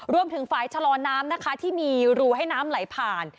รวมถึงฝ่ายชะลอน้ำนะคะที่มีรูให้น้ำไหลผ่าน